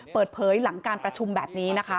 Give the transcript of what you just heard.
เปิดเผยหลังการประชุมแบบนี้นะคะ